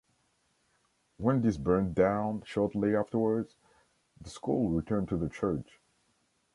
When this burnt down shortly afterwards, the school returned to the church.